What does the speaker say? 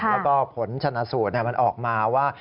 แล้วก็ผลชนะสูตรมันออกมาว่า